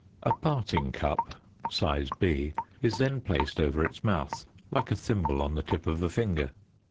A parting cup (size B) is then placed over its mouth, like a thimble on the tip of a finger.